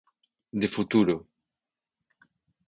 De futuro